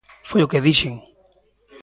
Foi o que dixen.